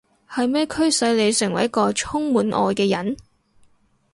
係咩驅使你成為一個充滿愛嘅人？